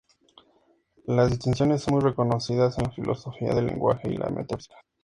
Las distinciones son muy reconocidas en la filosofía del lenguaje y la metafísica.